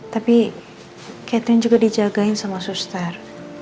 tapi captain juga dijagain sama suster